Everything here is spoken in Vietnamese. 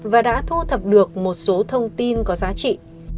và đã thu thập được một số thông tin có giá trị